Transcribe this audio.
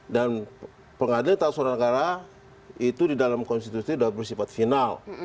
dan pengadilan tata usul negara itu di dalam konstitusi sudah bersifat final